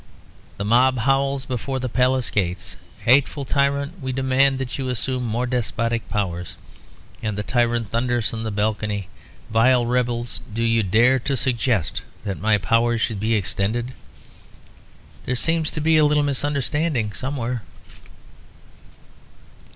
The mob howls before the palace gates, "Hateful tyrant, we demand that you assume more despotic powers"; and the tyrant thunders from the balcony, "Vile rebels, do you dare to suggest that my powers should be extended?" There seems to be a little misunderstanding somewhere.